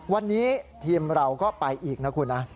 วันนี้ทีมเราก็ไปอีกนะคุณนะ